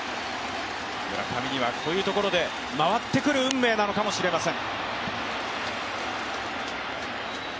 村上にはこういうところで回ってくる運命なのかもしれません。